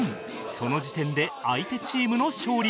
その時点で相手チームの勝利となる